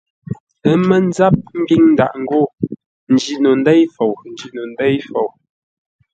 Ə́ mə́ ńzáp ḿbíŋ ndâʼ ngô njî no ndêi fou, n njîno ndêi fou.